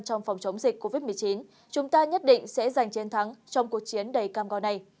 trong phòng chống dịch covid một mươi chín chúng ta nhất định sẽ giành chiến thắng trong cuộc chiến đầy cam go này